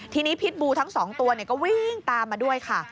ทีนี้พิษบูทั้ง๒ตัวก็วิ่งตามมาด้วยค่ะ